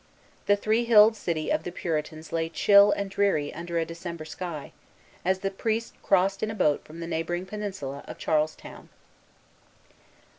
The three hilled city of the Puritans lay chill and dreary under a December sky, as the priest crossed in a boat from the neighboring peninsula of Charlestown.